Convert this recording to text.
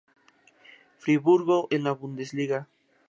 Friburgo en la Bundesliga.